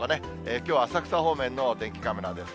きょう、浅草方面のお天気カメラです。